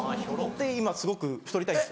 今すごく太りたいんです。